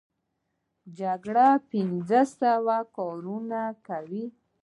جګر پنځه سوه کارونه کوي.